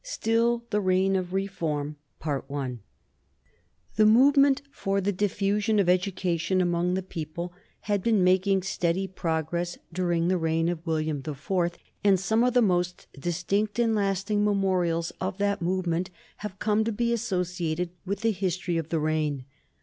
STILL THE REIGN OF REFORM. [Sidenote: 1836 The Universities of London] The movement for the diffusion of education among the people had been making steady progress during the reign of William the Fourth, and some of the most distinct and lasting memorials of that movement have come to be associated with the history of the reign.